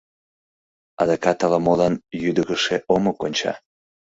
Адакат ала-молан йӱдыгышӧ омо конча.